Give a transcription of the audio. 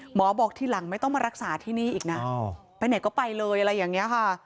หมอบอกทีหลังไม่ต้องมารักษาที่นี่อีกนะไปไหนก็ไปเลยอะไรอย่างนี้ค่ะ